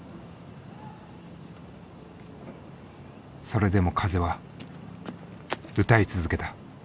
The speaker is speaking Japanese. それでも風は歌い続けた。